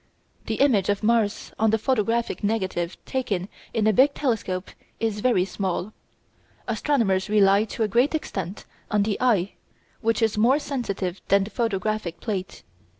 The image of Mars on the photographic negative taken in a big telescope is very small. Astronomers rely to a great extent on the eye, which is more sensitive than the photographic plate.